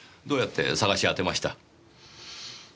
どうやって捜し当てました？